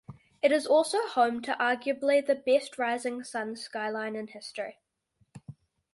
It is also home to arguably the best rising sun Skyline in history.